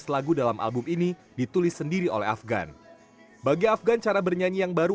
lagu dalam album ini ditulis sendiri oleh afgan bagi afgan cara bernyanyi yang baru